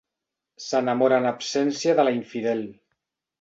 S'enamora en absència de la infidel.